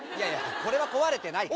これは壊れてないから。